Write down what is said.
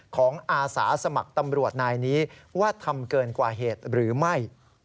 อาสาสมัครตำรวจนายนี้ว่าทำเกินกว่าเหตุหรือไม่